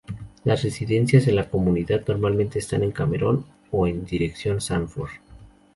Las residencias en la comunidad normalmente están en Cameron o en dirección Sanford.